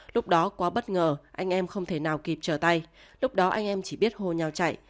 lúc đó quá bất ngờ anh em không thể nào kịp chờ tay lúc đó anh em chỉ biết hô nhau chạy